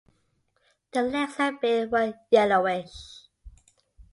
The legs and bill were yellowish.